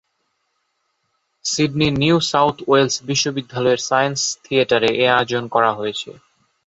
সিডনির New South Wales বিশ্ববিদ্যালয়ের science থিয়েটারে এ আয়োজন করা হয়েছে।